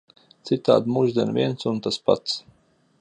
Citādi mūždien viens un tas pats.